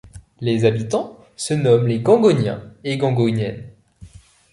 Les habitants se nomment les Gangoniens et Gangoniennes.